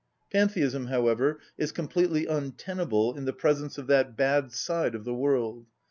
Pantheism, however, is completely untenable in the presence of that bad side of the world.